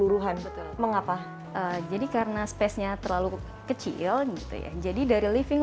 namun bolong bolong dan tidak tertutup secara kondisional